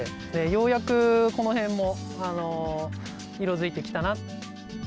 ようやくこの辺も、色づいてきたな。